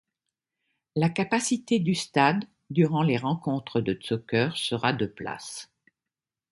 La capacité du stade durant les rencontres de soccer sera de places.